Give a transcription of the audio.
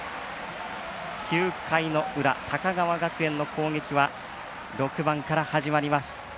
９回の裏、高川学園の攻撃は６番から始まります。